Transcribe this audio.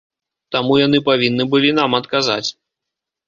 Таму яны павінны былі нам адказаць.